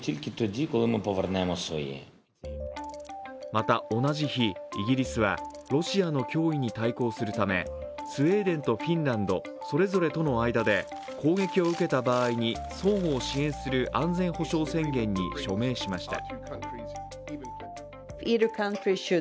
また同じ日、イギリスはロシアの脅威に対抗するためスウェーデンとフィンランド、それぞれのとの間で攻撃を受けた場合に相互を支援する安全保障宣言に署名しました。